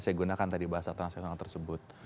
saya gunakan tadi bahasa transisional tersebut